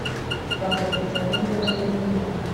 twasetse cyanenk' imashini zintambara